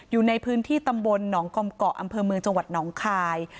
อยู่ในพื้นที่ตำบลหนองกอมเกาะอำเภอเมืองจังหวัดหนองคาย